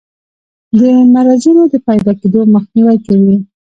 د مرضونو د پیداکیدو مخنیوی کوي.